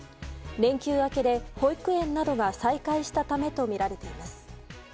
連休明けで保育園などが再開したためとみられています。